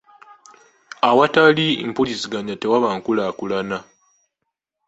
Awatali mpuliziganya tewaba nkulaakulana.